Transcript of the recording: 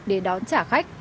để đón chào khách